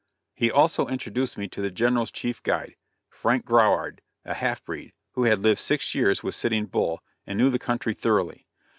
He also introduced me to the General's chief guide, Frank Grouard, a half breed, who had lived six years with Sitting Bull, and knew the country thoroughly.